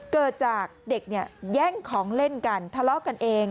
เกิดจากเด็กเนี่ยแย่งของเล่นกันทะเลาะกันเอง